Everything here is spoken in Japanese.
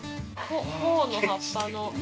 ほおの葉っぱの。